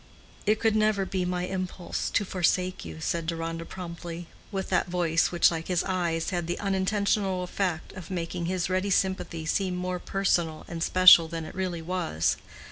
"It could never be my impulse to forsake you," said Deronda promptly, with that voice which, like his eyes, had the unintentional effect of making his ready sympathy seem more personal and special than it really was.